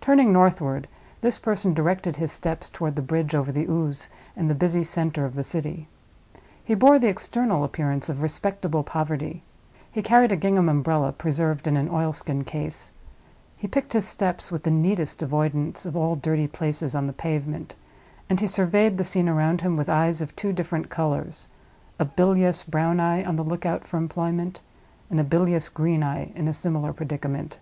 Turning northward, this person directed his steps toward the bridge over the Ouse and the busy center of the city. He bore the external appearance of respectable poverty; he carried a gingham umbrella, preserved in an oilskin case; he picked his steps, with the neatest avoidance of all dirty places on the pavement; and he surveyed the scene around him with eyes of two different colors—a bilious brown eye on the lookout for employment, and a bilious green eye in a similar predicament.